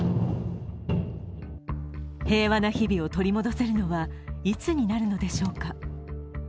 平和な日々を取り戻せるのはいつになるのでしょうか。